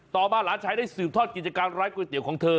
มาหลานชายได้สืบทอดกิจการร้านก๋วยเตี๋ยวของเธอ